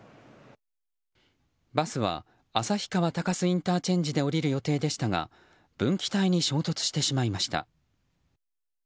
バスは旭川鷹栖ＩＣで下りる予定でしたが分岐帯に衝突してしまいました。